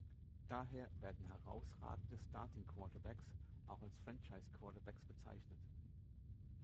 Daher werden herausragende Starting Quarterbacks auch als "Franchise Quarterbacks" bezeichnet.